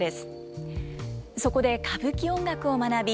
そこで歌舞伎音楽を学び